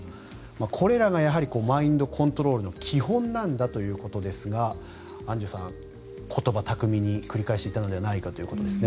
これらがマインドコントロールの基本なんだということなんですがアンジュさん、言葉巧みに繰り返していたのではないかということですね。